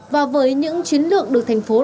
và với những chiến lược được thành phố bảo vệ